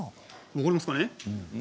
分かりますかね。